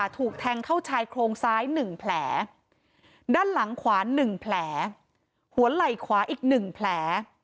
ถูกแทงเข้าชายโครงซ้าย๑แผลด้านหลังขวาน๑แผลหัวไหล่ขวาอีก๑แผล